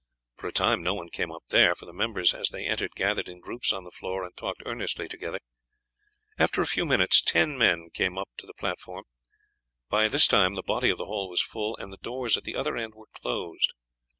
For a time no one came up there, for the members as they entered gathered in groups on the floor and talked earnestly together. After a few minutes ten men came up on to the platform; by this time the body of the hall was full, and the doors at the other end were closed.